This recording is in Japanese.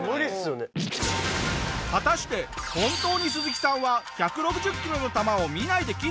果たして本当にスズキさんは１６０キロの球を見ないで斬っているのか？